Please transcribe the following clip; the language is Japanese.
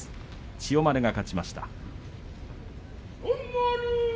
千代丸が勝ちました。